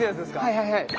はいはいはい。